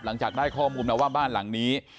หลังจากได้ข้อมูลมาว่าบ้านหลังนี้